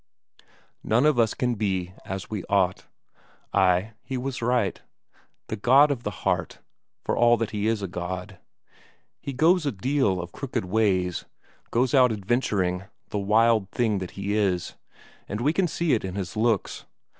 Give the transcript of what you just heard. "None of us can be as we ought." Ay, he was right. The god of the heart for all that he is a god, he goes a deal of crooked ways, goes out adventuring, the wild thing that he is, and we can see it in his looks.